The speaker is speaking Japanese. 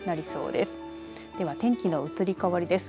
では、天気の移り変わりです。